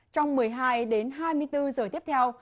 trong một mươi hai h đến hai mươi bốn h tiếp theo